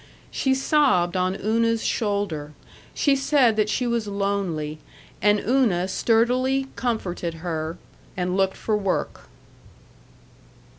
She sobbed on Una's shoulder; she said that she was lonely; and Una sturdily comforted her and looked for work.